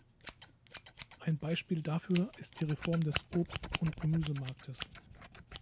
Ein Beispiel dafür ist die Reform des Obst- und Gemüsemarktes.